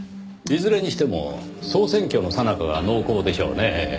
いずれにしても総選挙のさなかが濃厚でしょうねぇ。